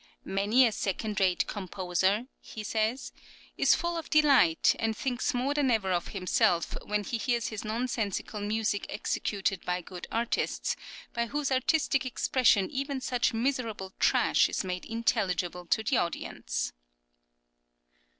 "Many a second rate composer," he says (p. 252), "is full of delight, and thinks more than ever of himself when he hears his nonsensical music executed by good artists, by whose artistic expression even such miserable trash is made intelligible to the audience."